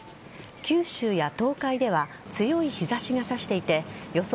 九州や東海では強い日差しが差していて予想